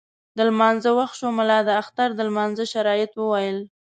د لمانځه وخت شو، ملا د اختر د لمانځه شرایط وویل.